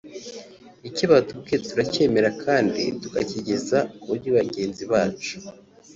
icyo batubwiye turacyemera kandi tukakigeza kuri bagenzi bacu